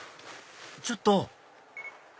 ちょっと？